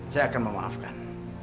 saya akan memaafkan